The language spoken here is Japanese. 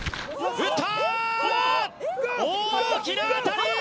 打った！